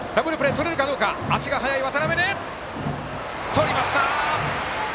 とりました！